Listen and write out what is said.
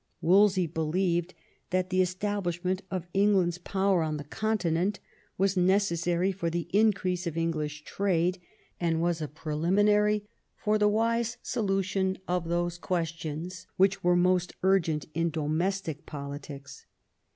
Wolsey believed that the establishment of England's power on the Continent was necessary for the increase of English trade, and was a preliminary for the wise solution of those questions which 218 THOMAS WOLSEY chap. were most urgent in domestic politics.